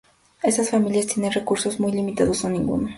Estas familias tienen recursos muy limitados o ninguno.